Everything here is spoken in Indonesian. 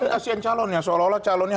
kasian calonnya seolah olah calonnya